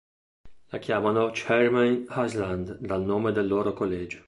La chiamano "Chairman Island", dal nome del loro collegio.